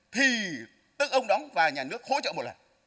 thì tức ông đóng và nhà nước hỗ trợ một lần